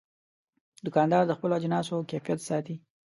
دوکاندار د خپلو اجناسو کیفیت ساتي.